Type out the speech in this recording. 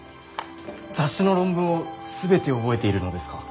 雑誌の論文を全て覚えているのですか？